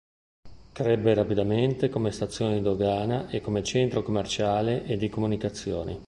Crebbe rapidamente come stazione di dogana e come centro commerciale e di comunicazioni.